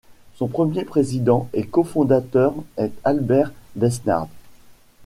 Son premier président et cofondateur est Albert Besnard.